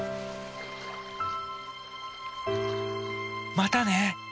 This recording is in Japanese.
またね！